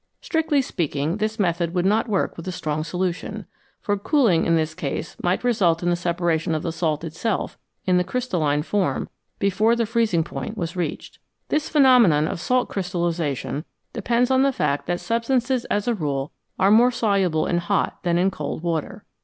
Strictly speaking, this method would not work with a strong solution, for cooling in this case might result in the separation of the salt itself in the crystalline form before the freezing point was reached. This phenomenon of salt crystallisation depends on the fact that substances as a rule are more soluble in hot than in cold water.